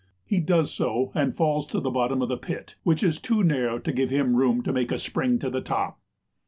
He does so, and falls to the bottom of the pit, which is too narrow to give him room to make a spring to the top.